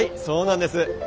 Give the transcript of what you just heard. そうなんです。